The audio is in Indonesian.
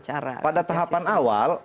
cara pada tahapan awal